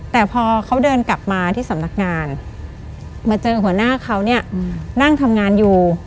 แต่พอเขาเดินกลับมาที่สำนักงานมาเจอหัวหน้าเขาเนี่ยนั่งทำงานอยู่